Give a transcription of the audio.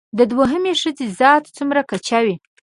د دوهمې ښځې ذات څومره کچه وي